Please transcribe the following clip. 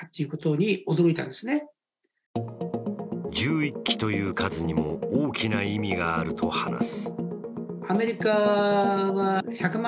１１基という数にも大きな意味があると話す。